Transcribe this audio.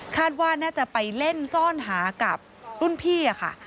ว่าน่าจะไปเล่นซ่อนหากับรุ่นพี่ค่ะ